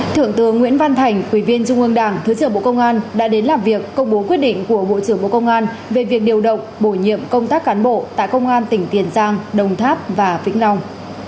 thượng tướng nguyễn văn thành ủy viên trung ương đảng thứ trưởng bộ công an đã đến làm việc công bố quyết định của bộ trưởng bộ công an về việc điều động bổ nhiệm công tác cán bộ tại công an tỉnh tiền giang đồng tháp và vĩnh long